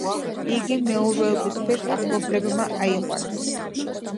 იგი მეურვეობის ქვეშ ახლობლებმა აიყვანეს.